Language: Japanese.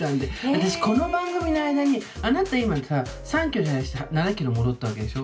私この番組の間にあなた今さ３キロ減らして７キロ戻ったわけでしょ。